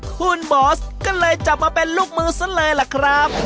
คุณบอสก็เลยจับมาเป็นลูกมือซะเลยล่ะครับ